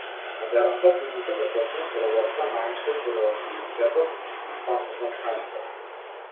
Модерната физика започнува со работата на Ајнштајн за релативитетот и квантната механика.